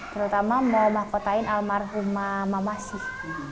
terutama mahkotain almarhum mamasyih